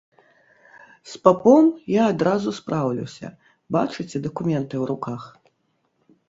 З папом я адразу спраўлюся, бачыце, дакументы ў руках.